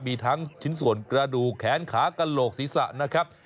มีทั้งชิ้นส่วนกระดูกแขนขากระโหลกศีรษะนะครับ